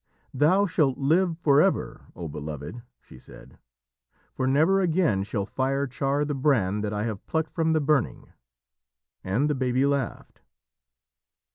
"Thou shalt live forever, O Beloved," she said, "for never again shall fire char the brand that I have plucked from the burning." And the baby laughed.